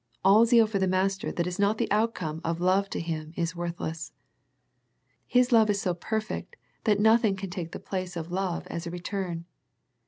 All zeal for the Master that is not the outcome of love to Him is worthless. His love is so perfect that nothing can take the place of love as a return.